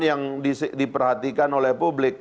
yang diperhatikan oleh publik